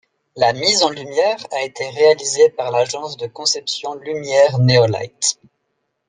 La mise en lumière a été réalisé par l'agence de conception lumière Neo Light.